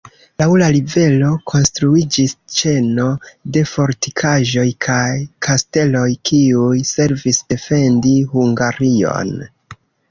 Laŭ la rivero konstruiĝis ĉeno de fortikaĵoj kaj kasteloj, kiuj servis defendi Hungarion.